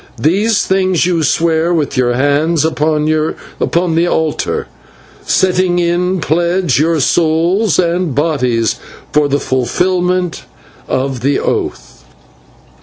These things you swear with your hands upon the altar, setting in pledge your souls and bodies for the fulfilment of the oath."